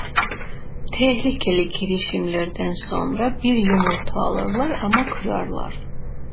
Tehlikeli girişimlerden sonra bir yumurta alırlar ama kırarlar.